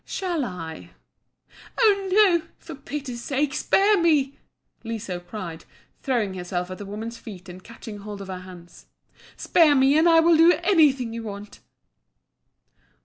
Shall I ?" "Oh no! for pity's sake spare me!" Liso cried, throwing herself at the woman's feet and catching hold of her hands. "Spare me, and I will do anything you want."